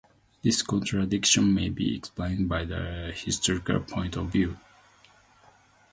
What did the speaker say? This contradiction may be explained by a historical point of view.